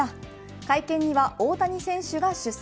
会見には大谷選手が出席。